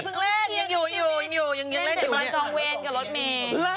อ๋อเหี้ยเหลืออยู่อยู่อย่างเล่นจากปีฝั่งกองเวรกับรถเมน